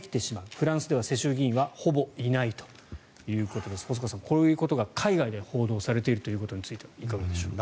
フランスでは世襲議員はほぼいないということですが細川さん、こういうことが海外で報道されているということについてはいかがでしょう？